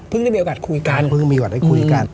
ได้มีโอกาสคุยกันเพิ่งมีโอกาสได้คุยกัน